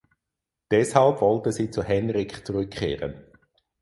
Deshalb wollte sie zu Henrik zurückkehren.